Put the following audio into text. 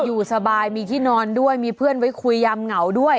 อยู่สบายมีที่นอนด้วยมีเพื่อนไว้คุยยามเหงาด้วย